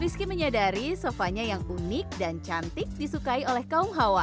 rizky menyadari sofanya yang unik dan cantik disukai oleh kaum hawa